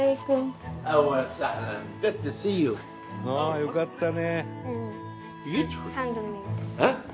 「よかったね」